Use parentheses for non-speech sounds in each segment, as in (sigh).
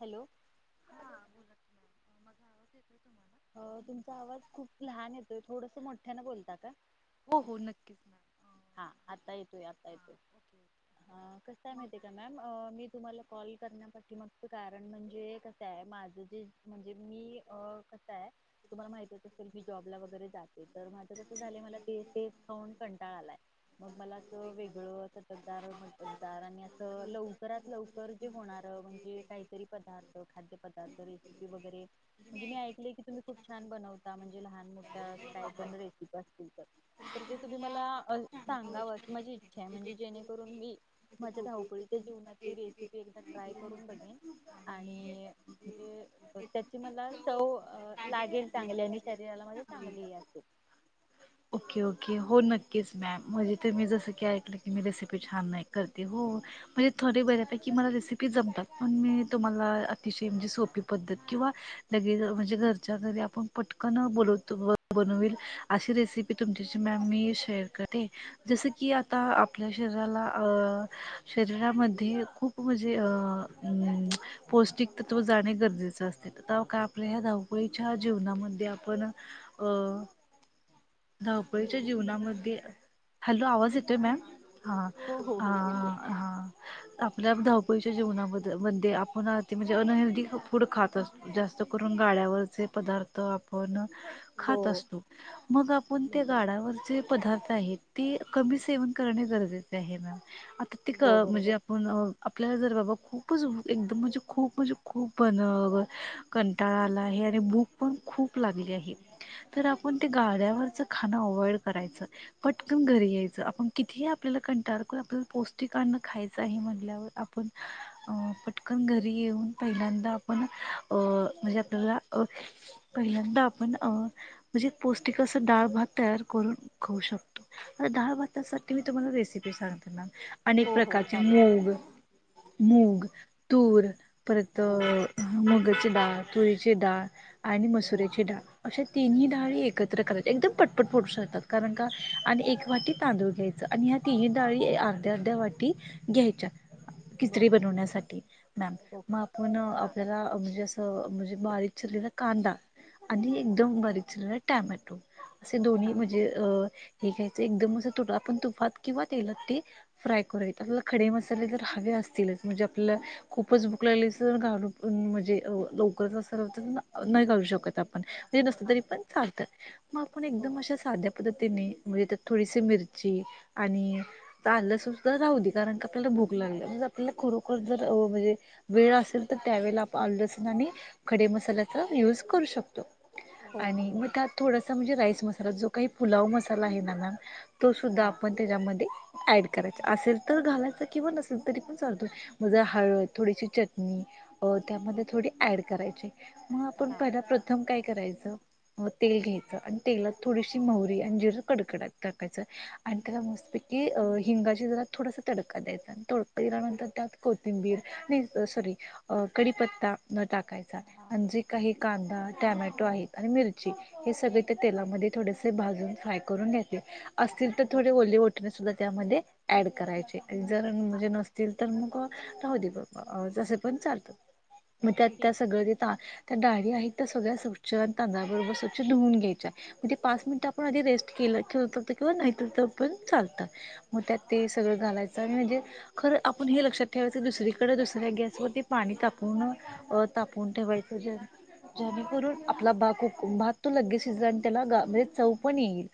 Hello (inaudible) हां बोला की मॅम माझा आवाज येतोय तुम्हाला अ तुमचा आवाज खूप लहान येतोय थोडस मोठ्यान बोलता का हो हो नक्कीच मॅम (inaudible) हा हां आता येतोय आता हां येतोय ओके ओके हां कस मग काये का मॅम मी तुम्हाला कॉल करण्यासाठी मगत कारण म्हणजे कसं आहे माझं जे म्हणजे मी अ तु्हाला माह असेली जॉबला वगैरे जाते तर माझ कस झालं मला ते ते खऊन कंटाळ आलाय मग मला अस वेगळटकदार मटकदार आणि अस लवकरात लवकर जे होणार म्हणजे काहीतरी पदार्थ खाद्य पदार्थ रेसिपी वगैरे म्हणजे मी ऐ तुम् खप छान बनता म्हणजे लहान मोठ्या का पण रेसिपी असतील तर तर ते तुम्ही मला सांगाव माझी इच्छा आहे म्हणजे जेणेकरून मी माझ्या धावपळीच्या जीवनात रेसिपी एकदा ट्राय करून बघेन आणि त्याची मला चव अ लागेल चांगली आणि शरीराला मध्येे चांगली असेल ओके (inaudible) ओके हो नक्कीच मॅम म्हणजे तर मी जसं की ऐकलं की मी रेसिपी छान नाही करते हो म्हणजे थोडी बऱ्यापैकी मला रेसिपी जमतात पण मी तुम्हाला अतिशय म्हणजे सोपी पद्धत किंवा लगेच म्हणजे घरच्या घरी आपण पटकनं बोलवतो बनवेल अशी रेसिपी तुमच्याशी मॅम मी शेअर करते जसं की आता आपल्या शरीराला शरीरामध्ये खूप म्हणजे पौष्टिक तत्त्व जाणे गरजेचं असते तर काय आपल्या ह्या धाव धापळीच्या जीवनामध्ये आपण अ धावपळीच्या जीवनामध्ये हॅलो आवाज येतोय मॅम हा हो हो हा हो येतोय. हा आपल्या च्या जीवना मध्ये आपण ते म्हणजे अनहेल्दीी फूड खात अस जास्त करून गाड्यावर जे पदार्थ आपण हो खात असतो मग आपण त्या बरोबर गाडावरचे पदार्थ क सेव कर गजे आहे प्र्यक हो म्हणजे बरोबर आपण आपल्याला जर बाबा खूप खूपच एकदम म्हणजे खूप म्हणजे खूप बन कंटाळाला हे आणि भूक पण खूप लागली आहे तर आपण ते गाळ्यावरचं खाणं अवॉइड करायचं पटकन घरी यायचं आपण कितीही आपल्याला कंटाळ करून आपल्याला पौष्टिक अन्न खायचं आहे म्हणल्यावर आपण पटकन घरी येऊन पहिल्यांदा आपण म्हणजे आपल्याला पहिल्यांदा आपण म्हणजे पौष्टिक असं डाळ भात तयार करून खाऊ शकतो आता डाळ भातासाठी मी तुम्हाला रेसिपी सांगते मॅम अनेक हो हो प्रकारचे चालेल मूग. मूग तूर. परत हो मग. डाळ तुळीची डाळ. आणि हो मसुरेची डाळ असे. तिन्ही डाळी एकत्र करायच्या एकदम पटपट फडू शकतात कारण का आणि एक वाटी तांदूळ घ्यायच आणि ह्या तिन्ही डाळी अर्ध्या अर्ध्या वाटी घ्यायच्या. बर किच्री बनवण्यासाठी मॅम ओके मग आपण हां आपल्याला म्हणजे. तरे बारी. चलला कांड. आध हां एकदम बारीच. टॅमॅटो. असे दोन्ही हां म्हणजे अ. हे घ्यायचं एकदम असं तुट आपण तुफात किंवा तेलात ते फ्राय करूयेत आपल्याला खडे मसाले जर हवे असतीलच म्हणजे आपलं. हां खूपच भुक लागली. म्हणजे लवकरच. नाही करू शकत आपण. नसत हां तरी पण बरोबर चालतं मग आपण एकदम अशा ओके साध्या पद्धतीने. म्हणजे त्यात थोडीशी मिरची आणि आ लसण सुद्धा राहली कारण क आपल्याला भूक लागली म्हणजे आपल्याला खरोखर जर म्हणजे वेळ असेल तर त्यावेळेला आ लसण आणि. खडे मसाल्याचा यूज करू शकतो. हो आणि मग बरोबर त्यात थोडासा म्हणजे राईस मसा. तर जो काही पुलाव मसाला आहे ना मॅम. तो सुद्धा हां आपण त्याच्यामध्ये ऍड करायच असेल तर घालायच किंवा नसेल तरी, पण चालतोय म जरा हळद थोडीशी चटणी अ हो त्यामध्ये थोडी ऍड करायची. ठीक आहे. मग आपण हां पहिला प्रथम काय. करायच तेल घ्यायचं आणि तेलात थोडीशी महरी आणि जिरं कडकडत टाकायचं आणि त्याला मस्तपैकी हिंगाची जरात थोडासा तडका द्यायचा आणि तडका दिल्यानंतर त्यात कोथिंबीर आणि सॉरी कडीपत्ता टाकायचा. हां आणि जे काही. कांदा टॅमॅटो आहे आणि मिरची हे सगळे ते तेलामध्ये थोडेसे भाजून फ्राय करून घेते. असतील तर हो थोडे ओले वाटणे सुद्धा त्यामध्ये ऍड करायचे, जर हां म्हणजे नसतील तर मग, राहु दे ब जसे पण चालत. म त्यात ठीक त्यास त्या डाळी आहेत त्या सगळ्या स्वच्छ तांदबरोबर स्वच्छ धुवून घ्यायच्या म्हणजे पाच मिनिट आपण आध रेस्ट के किंवा पण चालत. मग त्यात ते सगळं आहे घालायचं म्हणजे, खरं आपण हे लक्षात ठेवायचं दुसरीकडें दुसऱ्या गॅसवरती पाणी तापून तापून ठेवायच जेणेकरून आपला बाक भात तो लगेच शिजला आणि त्याला म्हणजे चव पण येईल,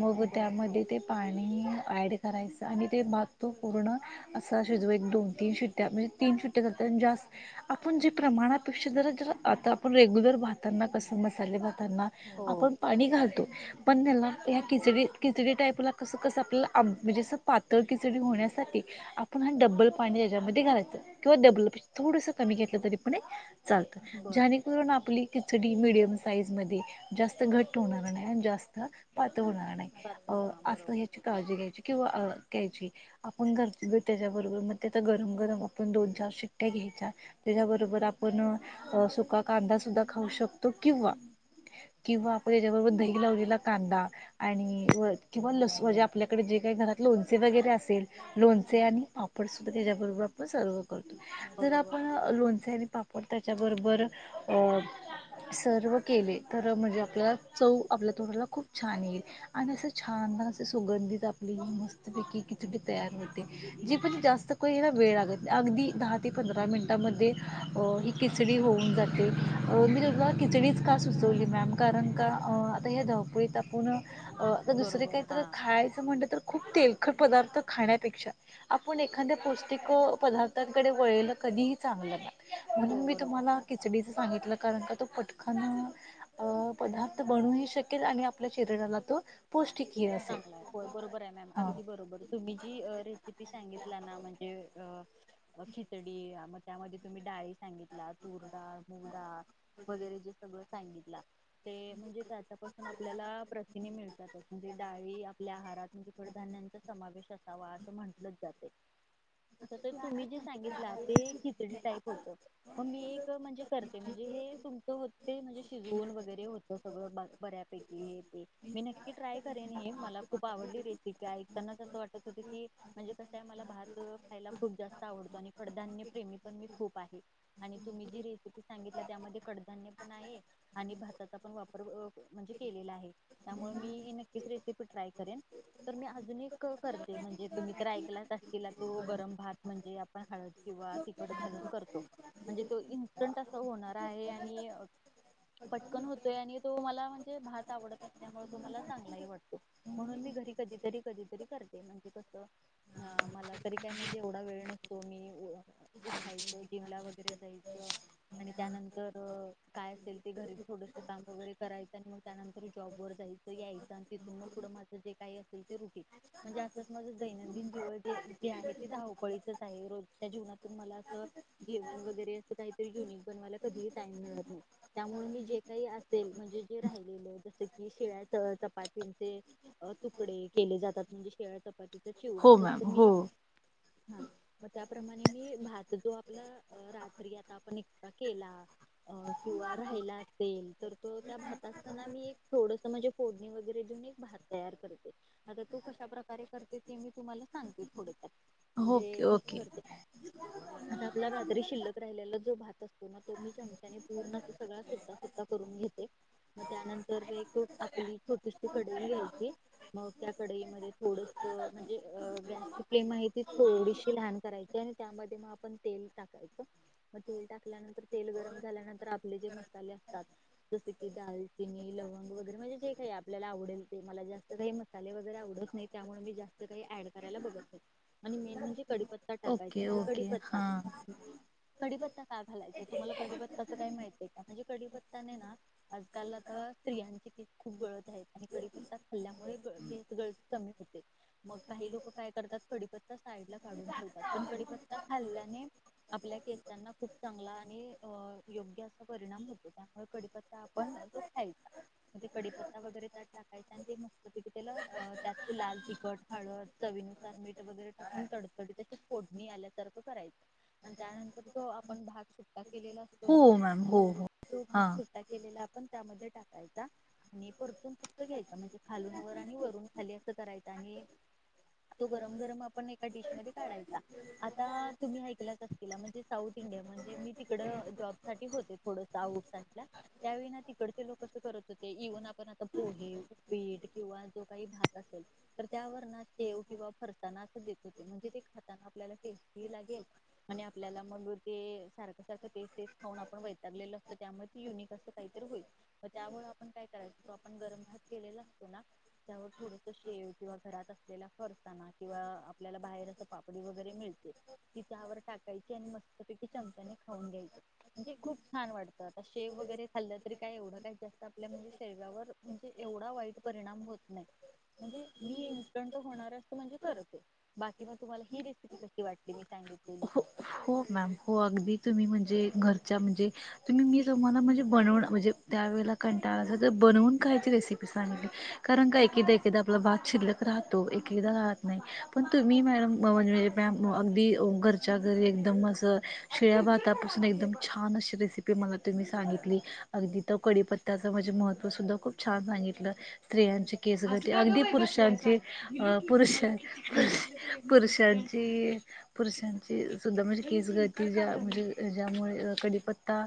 मग बर त्यामध्ये ते पाणी ॲड करायचं आणि ते, मातु पूर्ण असं शिजू एक दोन तीन शिट्ट्या म्हणजे तीन शिट्ट्या झााततात आणि जास्त आपण जे प्रमाणात पेक्षा जरा जरा आता आपण रेग्युलर भातताना कसं मसाले भात ना हो आपण पाणी घालतो. पण त्याला ह्या खिचडी- खिचडी टाईपला कसं -कसं आपल्याला आप- म्हणजे असं पातळ खिचडी होण्यासाठी, आपण हा डब्बल पाणी त्याच्यामध्ये घालायचं किंवा डबल थोडस कमी घेतलं तरी पण चालत बर जेणेकरून आपली खिच कढी मिडीयम साईज मध्ये जास्त घट होणार नाही, जास्त पातळ होणार नाही, चालतंय हां असं बरोबर ह्याची काळजी घ्यायची किंवा अ घ्यायची. आपण (unintelligible) त्याच्या बरोबर मग त्या गरम गरम आपण दोन चार शिट्टया घ्यायच्या त्याच्या बरोबर आप आपण सुका कांदा सुद्धा खाऊ शकतो किंवा, किंवा आपण ह्याच्या बरोबर दही लावलेला कांदा आणि किंवा लस म्हणजे आपल्याकडे जे काही घरात लोणचे वगैरे असेल लोणचे आणि पापड सुद्धा त्याच्या बरोबर आपण सर्व जर बरोबर आपण लोणचे आणि पाप पण त्याच्याबरोबर अ सर्व्ह केले तर म्हणजे, आपल्याला चव आपल्या तोडांला खूप छान येइल, आणि असं छान! असे सुगंधित आपली मस्तपैकी खिचडी तयार होते, जी पण जास्त का ना वेळ लागत नाही, अगदी दहा ते पंधरा मिनिटामध्ये हो किचडी होऊन जाते, अ मी तुला खिचडीचं का सुचवली मॅम कारण का, आता ह्या धावपळीत आपण अ आता दुसरे बरोबर काही तर हां खायचं म्हटलं, तर खूप तेल अख्खं पदार्थ खाण्यापेक्षा आपण एखाद्या पौष्टिक पदार्थांकडे वळलं कधीही चांगलं ना. हो म्हणून मी बरोबर तुम्हाला खिचडीच सांगितलं. कारण, का तो पटकन पदार्थ बनू शकेल आणि आपल्या शरीराला तो पौष्टिक चांगला होय, बरोबर आहे मॅम अगदी बरोबर तुम्ही जी रेसिपी सांगितला ना म्हणजे अ अ खिचडी म त्या मध्ये तुम्ही डाळी सांगितला तुर डाळ मुगडाळ. वगैरे जे सगळं सांगितला, ते म्हणजे त्याच्यापासून आपल्याला प्रथीने मिळतात. (unintelligible) डाळी आपल्या आहारात, म्हणजे कडधान्यांचा समावेश असावा असं म्हंटलंच जातय. आता तर तुम्ही जे सांगितला ते खिचडी टाईप होत, मग मी एक म्हणजे कर म्हणजे हे तुमचं होत, ते म्हणजे शिजवून वगैरे होत, सगळं बऱ्यापैकी हे ते मी नक्की ट्राय करेन हे, मला खूप आवडली रेसिपी, ऐकतानाच असं वाटत होत की म्हणजे कसं आहे मला भात खायला खूप जास्त आवडतो, आणि कडधान्य प्रेमी पण मी खूप आहे, आणि तुम्ही जी रेसिपी सांगितली त्यामध्ये कडधान्य पण आहे आणि भाताचा पण वापर म्हणजे केलेला आहे, त्यामुळे मी हे न. नक्कीच रेसिपि ट्राय करेन, तर मी अजून. करते, म्हणजे तुम्ही तर ऐकलाच असशीला. तिला तो गरम भात म्हणजे आपण हळत किंवा तिखट घालून करतो, म्हणजे तो इन्स्टंट अस होणार आहे, आणि. पटकन होतोय, मला आणि तो मला म्हणजे, भात आवडत असल्या त्यामुळे तुम्हाला चांग- चांगलाही वाटतो, म्हणून मी घरी कधीतरी कधीतरी करते, म्हणजे. अ मला तरी काय म्हणजे एवढा वेळ नसतो मी उठायचं जिमला वगैरे जायचं आणि त्यानंतर काय असेल ते घरी थोडस काम- वगैरे करायचं आणि मग त्यानंतर जॉब वर जायचं-यायचं. आणि तिथून मग पुढं माझं जे काही असेल ते रुटिंग. म्हणजे आपल माझ दैनंदिन जीवन जे जे आहे, ते धावपळीचच आहे. रोजच्या जीवनातून मला असं जेवण वगैरे अस काहीतरी युनिक बनवायला कधीही टाईम मिळत नाही. त्यामुळे मी जे काही असेल. म्हणजे जे राहिलेलं जसं की शिळ्या च चपातीचे तुकडे केले जातात म्हणजेे- (unintelligible) चिवडा हो मॅम जस मी, हो हा मग त्याप्रमाणे मी भात जो आपला रात्री आता आपण एकदा केला किंवा राहिला असेल तर तो त्या भात असताना मी एक थोडस म्हणजे फोडणी वगैरे (unintelligible) भात तयार करते आता तो कशा प्रकारे करते ते मी तुम्हाला सांगते थोड फार ओके म्हणजे कस ओके करते आता आपला रात्री शिल्लक राहिलेला भात असतो ना तो मी चम्याने पूर्ण सगळ सुट्टा सुट्टा करून घेते मग त्यानंतर एक आपली छोटीशी कडई घ्यायची मग त्या कडई मध्ये थोडस म्हणजे गॅसची फ्लेम आहे ती थोडीशी लहान करायची आणि त्यामध्ये मग आपण तेल टाकायचं मग तेल टाकल्यानंतर तेल गरम झाल्यानंतर आपले जे मसाले असतात जसे की दालचिनी लवंग वगैरे म्हणजे जे काही आपल आपल्याला आवडेल ते मला जास्त काही मसाले वगैरे आवडत नाही त्यामुळे मी जास्त काही ऍड करायला बघत नाही आणि मेन म्हणजे, कडीपत्ता टाकायचा ओके म्हणजे ओके कडीपत्ता हां कडीपत्ता काय घालायचा तुम्हाला कडीपत्ता अस काय माहितय का म्हणजे कडीपत्ताने ना आजकाल आता स्त्रियांची केस खूप गळ कडीपत्ता खाल्ल्यामुळे केस गळती कमी होते मग काही लोक काय करतात कडीपत्ता साईड ला काढून ठेवतात. पण कडीपत्ता खाल्ल्याने आपल्या केसांना खूप चांगला. आणि अ योग्य असा परिणाम होतो त्यामुळे कडीपत्ता आपण तो खायचा म्हणजे कडीपत्ता वगैरे त्या टाकायंचा आणि ते मस्तपैकी तेल त्यात लाल तिखट हाळद चवीनुसार मीठ वगैरे टाकून तडतडी त फोडणी आल्यासारखं करायच आणि त्यानंतर जो आपण भात सुटा केलेला असतो हो ना मॅम हो हो तो भात हां सुट्टा केलेला आपण त्यामध्ये टाकायचा आणि परतून फक्त घ्यायचा म्हणजे खालून वर आणि वरून खाली असं करायच आणि तो गरम गरम आपण एका डिश मध्ये काढायचा आता तुम्ही ऐकलाच असतील म्हणजे साऊथ इंडिया म्हणजे मी तिकड जॉब साठी होते थोडस आउट साईड ला त्यावेळी ना तिकडचे लोक अस करत होते. इव्हन आपण आता पोहे उपीट किंवा जो काही भात असेल तर त्यावर ना शेव किंवा फरसाणा अस देत होते म्हणजे ते खाताना आपल्याला टेस्ट लागेल आणि आपल्याला म्हणू ते सारखं सारखं तेच तेच खाऊन आपण वैतागलेलो असतं त्यामुळे युनिक असं काहीतरी होईल त्यामुळे आपण काही- जो आपण गरम भात केलेला असतो ना त्यावर थोडस शेव किंवा घरात असलेला फरसाणा किंवा आपल्याला बाहेर अस पापडी वगैरे मिळते ति त्यावर टाकायची आणि मस्तपैकी चमचा नी खाऊन घ्यायची म्हणजे खूप छान वाटत. शेव वगैरे खाल्ल- तरी काय एवढं काही जास्त आपल्या म्हणजे- तेण्यावर म्हणजे एवढा वाईट परिणाम होत नाही म्हणजे मी इन्स्टंट होणार असत म्हणजे करते बाकी म तुम्हाला ही रेसिपी कशी वाटली. मी सांगितलेली हो हो मॅम हो अगदी. तुम्ही म्हणजे घरच्या म्हणजे तुम्ही मी तुम्हाला म्हणजे बनवण म्हणजे त्या वेळेला कंटाळाला असल तर बनवून खायची रेसिपी सांगितली कारण का एकेदा एकेदा आपला भात शिल्लक राहतो एकेदा राहत नाही पण तुम्ही मॅडम म्हणजे म्हणजे मॅम अगदी घर- च्या घरी एकदम असं भातापासून एकदम छान अशी रेसिपी मला तुम्ही सांगितली अगदी तर कडीपत्ताचं माझे महत्त्व सुद्धा खूप छान सांगितलं स्त्रियांची. केस गळती आत्ता ग अगदी बाई बसलाय. पुरुषांची पुरुष पुरुषांची. पुरुषाची. धा म्हणजे केस गळती ज्यामुळे कडीपता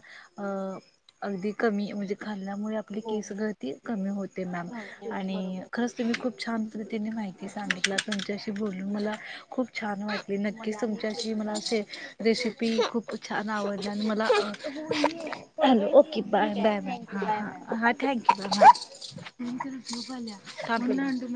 अगदी कमी म्हणजे खा मुळे आपली हो केस हो गळती कमी होते मॅम हो हो, आणि बरोबर खरच तुही खूप छान पद्धतीने माहिती ती सांगितलं तुमच्याशी बोलून मला खूप छान वाटल. नक्की स मलाही खूप मला छान अस वाटलं रेसिपी खूपछ आवड मला हॅलो ओके बाय ठीक आहे बाय बा थँक्यू ह बाय मॅम ह हां थँक्यू बा सख तमळनाड